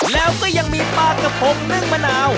แล้วก็ยังมีปลากระพงนึ่งมะนาว